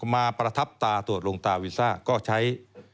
มาประทับตาตรวจลงตาวีซ่าก็ใช้